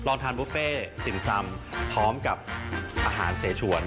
ทานบุฟเฟ่ติ่มซำพร้อมกับอาหารเสชวน